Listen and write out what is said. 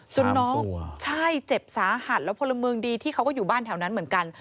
ส่วนน้องใช่เจ็บสาหัสแล้วพลเมืองดีที่เขาก็อยู่บ้านแถวนั้นเหมือนกัน